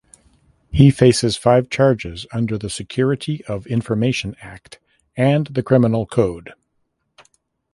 He faces five charges under the Security of Information Act and the Criminal Code.